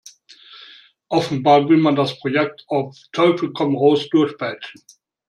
Offenbar will man das Projekt auf Teufel komm raus durchpeitschen.